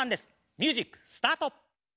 ミュージックスタート！